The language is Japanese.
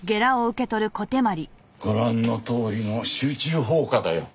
ご覧のとおりの集中砲火だよ。